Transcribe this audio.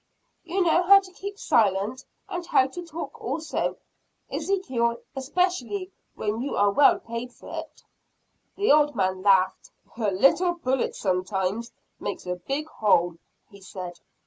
"You know how to keep silent, and how to talk also, Ezekiel especially when you are well paid for it?" The old man laughed. "A little bullet sometimes makes a big hole," he said.